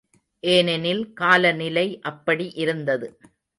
ஏனெனில் காலநிலை அப்படி இருந்தது.